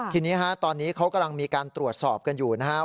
ทีนี้ตอนนี้เขากำลังมีการตรวจสอบกันอยู่นะครับ